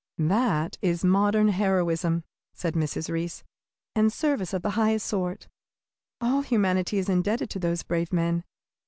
"That is modern heroism," said Mrs. Reece, "and service of the highest sort. All humanity is indebted to those brave men.